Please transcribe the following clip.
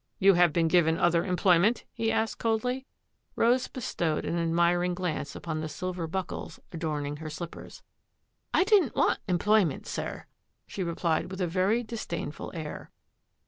"You have been given other employment.'^" he asked coldly. Rose bestowed an admiring glance upon the sil ver buckles adorning her slippers. " I didn't want employment, sir," she replied with a very disdainful air.